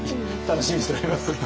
楽しみにしております。